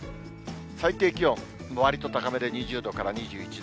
最低気温、わりと高めで、２０度から２１度。